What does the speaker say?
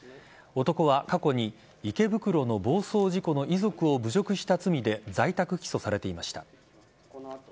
男は過去に池袋の暴走事故の遺族を侮辱した罪で在宅起訴されていました。